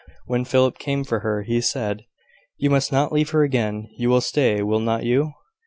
When Philip came for her, he said: "You must not leave her again. You will stay, will not you?